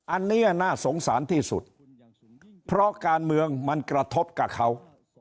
อันนี้น่าสงสารที่สุดเพราะการเมืองมันกระทบกับเขา